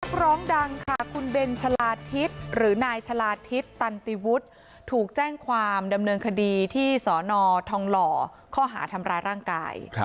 นักร้องดังค่ะคุณเบนชะลาทิศหรือนายชะลาทิศตันติวุฒิถูกแจ้งความดำเนินคดีที่สอนอทองหล่อข้อหาทำร้ายร่างกาย